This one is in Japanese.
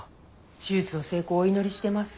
手術の成功をお祈りしてます。